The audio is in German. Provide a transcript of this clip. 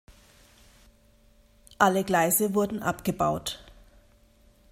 Alle Gleise wurden abgebaut.